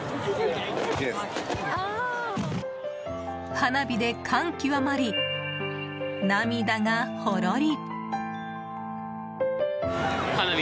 花火で感極まり、涙がほろり。